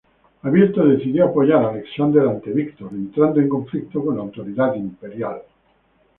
Abierto decidió apoyar Alexandre ante Víctor, entrando en conflicto con la autoridad imperial.